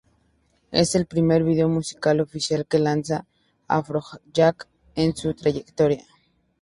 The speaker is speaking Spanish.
Es el primer video musical oficial que lanza Afrojack en su trayectoria.